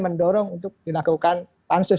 mendorong untuk dilakukan pansus